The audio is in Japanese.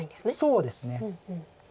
そうですね。